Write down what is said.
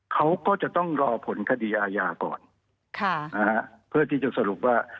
เขาก็จะต้องรอผลคดีอาญาก่อนค่ะนะฮะเพื่อที่จะสรุปว่า